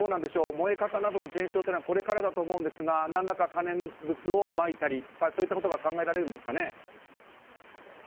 燃え方などの検証はこれからだと思うんですが何らか可燃物をまいたりそういったことが考えられるんですかね。